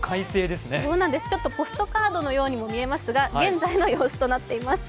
ポストカードのように見えますが現在の様子となっています。